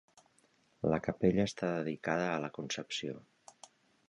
La capella està dedicada a la Concepció.